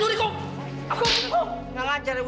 kamu sih udah harus naik saja kita